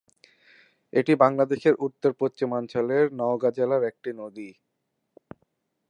এটি বাংলাদেশের উত্তর-পশ্চিমাঞ্চলের নওগাঁ জেলার একটি নদী।